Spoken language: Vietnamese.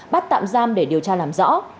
bắt tạm giam để điều tra làm rõ